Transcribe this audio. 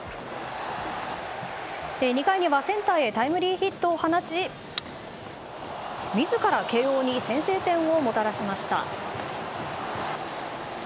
２回にはセンターへタイムリーヒットを放ち自ら慶応に先制点をもたらしました。